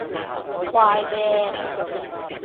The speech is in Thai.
ควายแดง